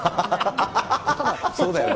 そうだよね。